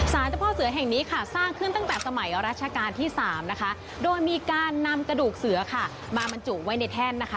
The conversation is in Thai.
เจ้าพ่อเสือแห่งนี้ค่ะสร้างขึ้นตั้งแต่สมัยราชการที่๓นะคะโดยมีการนำกระดูกเสือค่ะมาบรรจุไว้ในแท่นนะคะ